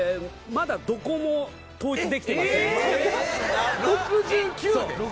まだどこも統一できてません。